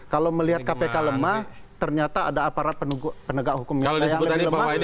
kalau melihat kpk lemah ternyata ada aparat penegak hukum yang lebih lemah